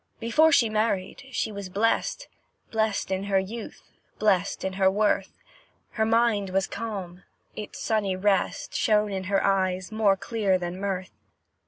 Before she married, she was blest Blest in her youth, blest in her worth; Her mind was calm, its sunny rest Shone in her eyes more clear than mirth.